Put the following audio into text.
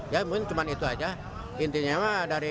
ya mungkin cuma itu saja